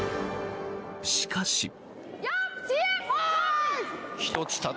しかし。